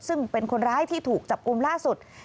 ซึ่งเป็นคนร้ายที่ถูกจับกลุ่มล่าสุด